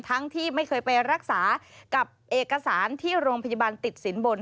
ที่ไม่เคยไปรักษากับเอกสารที่โรงพยาบาลติดสินบน